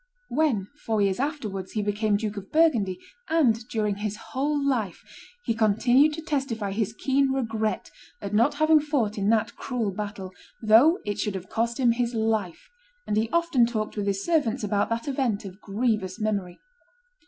When, four years afterwards, he became Duke of Burgundy, and during his whole life, he continued to testify his keen regret at not having fought in that cruel battle, though it should have cost him his life, and he often talked with his servants about that event of grievous memory.